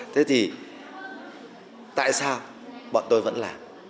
thế thì tại sao bọn tôi vẫn làm